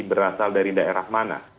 berasal dari daerah mana